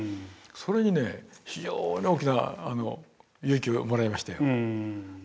それにね非常に大きな勇気をもらいましたよ。